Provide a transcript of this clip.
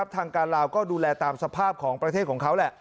ทางการลาวก็ดูแลตามสภาพของประเทศของเขาแหละ